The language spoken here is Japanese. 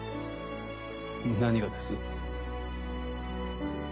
何がです？